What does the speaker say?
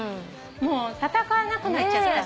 もう戦わなくなっちゃった。